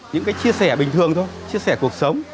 những cái chia sẻ bình thường thôi chia sẻ cuộc sống